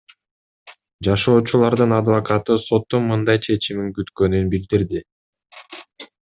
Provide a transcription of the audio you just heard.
Жашоочулардын адвокаты соттун мындай чечимин күткөнүн билдирди.